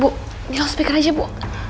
bu di law speaker aja bu